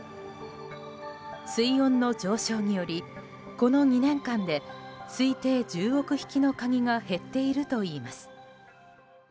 水温の上昇によりこの２年間で推定１０億匹のカニが減っているといいます。